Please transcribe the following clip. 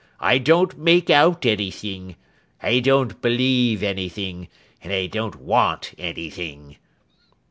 I don't make out anything. I don't believe anything. And I don't want anything.